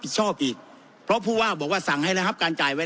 ชอบอีกเพราะผู้ว่าบอกว่าสั่งให้ระงับการจ่ายไว้